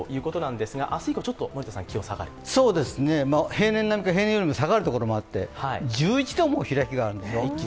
平年並みか平年よりも下がるところがあって１１度も開きがあるんですよ。